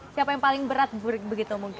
siapa yang paling berat begitu mungkin lawannya nanti